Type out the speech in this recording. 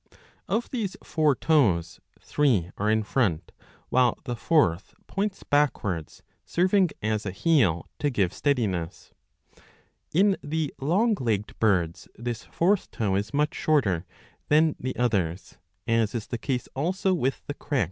Of these four toes three are in front, while the fourth points backwards, serving, as a heel, to give steadiness. In the long legged birds this fourth toe is much shorter ^^ than the others, as is the case also with the Crex.